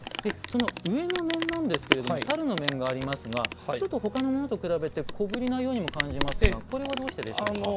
上の面なんですけど猿の面がありますがちょっと他のものと比べて小ぶりにも感じますがこれは、どうしてでしょうか？